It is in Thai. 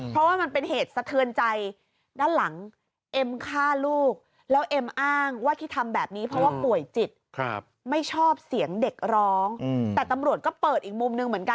เพราะว่ามันเป็นเหตุสะเทินใจด้านหลังเอ็มฆ่าลูก